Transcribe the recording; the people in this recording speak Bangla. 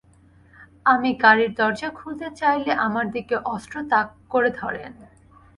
আমি গাড়ির দরজা খুলতে চাইলে আমার দিকে অস্ত্র তাক করে ধরেন।